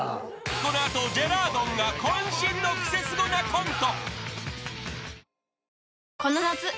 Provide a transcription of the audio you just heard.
［この後ジェラードンが渾身のクセスゴなコント］